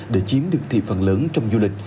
để chiếm được thị phần lớn trong du lịch